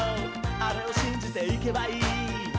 あれをしんじていけばいい」